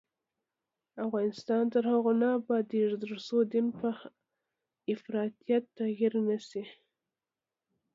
افغانستان تر هغو نه ابادیږي، ترڅو دین په افراطیت تعبیر نشي.